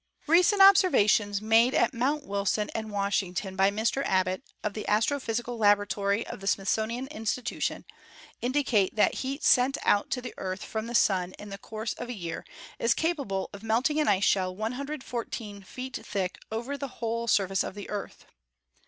Recent observations made at Mount Wilson and Washington by Mr. Abbot, of the Astrophysical Laboratory of the Smithsonian Institution, indicate that heat sent out to the Earth from the Sun in the course of a year is capable of melting an ice shell 114 feet thick over the whole surface of the Earth.